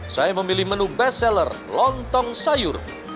saya memilih menu best seller lontong sayur